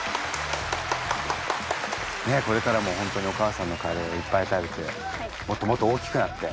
ねえこれからも本当にお母さんのカレーいっぱい食べてもっともっと大きくなって。